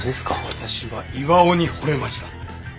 私は巌にほれました。